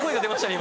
今。